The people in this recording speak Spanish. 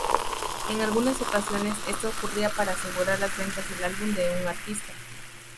En algunas ocasiones, esto ocurría para asegurar las ventas del álbum de un artista.